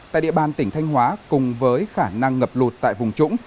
tại địa bàn tỉnh thanh hóa cùng với khả năng ngập lụt tại vùng trũng